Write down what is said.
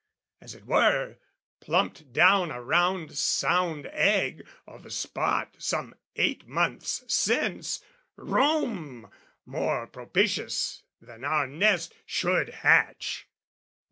as it were, plumped down A round sound egg, o' the spot, some eight months since, Rome, more propitious than our nest, should hatch!